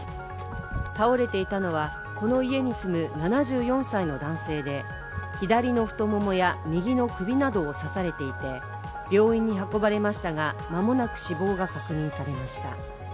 倒れていたのはこの家に住む７４歳の男性で左の太ももや右の首などを刺されていて病院に運ばれましたが間もなく死亡が確認されました。